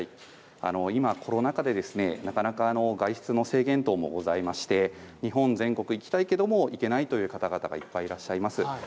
今、コロナ禍でなかなか外出も制限等ございまして日本全国行きたいけれど行けないという方々がいっぱいいらっしゃいます。